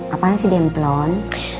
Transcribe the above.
apaan sih demplon